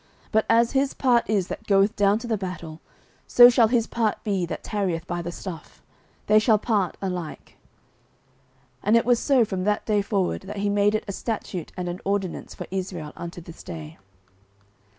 but as his part is that goeth down to the battle, so shall his part be that tarrieth by the stuff: they shall part alike. 09:030:025 And it was so from that day forward, that he made it a statute and an ordinance for Israel unto this day.